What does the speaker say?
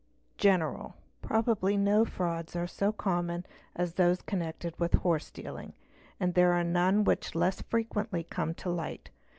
General. Probably no frauds are so common as those connected with horse dealing and there are none which less frequently come to hight.